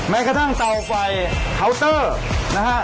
แม้กระทั่งเตาไฟเคาน์เตอร์นะฮะ